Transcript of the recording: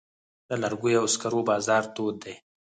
د لرګیو او سکرو بازار تود دی؟